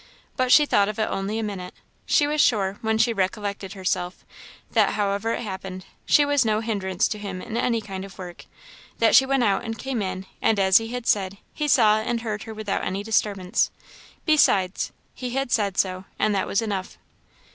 But she thought of it only a minute; she was sure, when she recollected herself, that however it happened, she was no hinderance to him in any kind of work; that she went out and came in, and, as he had said, he saw and heard her without any disturbance. Besides, he had said so; and that was enough.